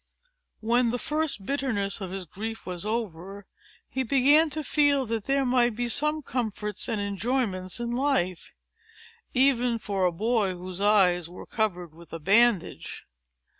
When the first bitterness of his grief was over, he began to feel that there might be some comforts and enjoyments in life, even for a boy whose eyes were covered with a bandage.